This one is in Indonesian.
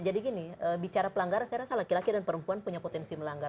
jadi gini bicara pelanggar saya rasa laki laki dan perempuan punya potensi melanggar